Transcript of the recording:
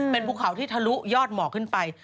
เป็นภูเขาที่ทะลุยอดหมอกขึ้นไป